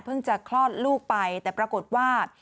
จะคลอดลูกไปแต่ปรากฏว่า